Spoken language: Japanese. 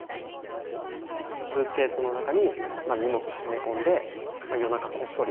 スーツケースの中に荷物詰め込んで夜中こっそり